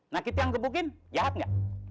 nah kita yang gebukin jahat gak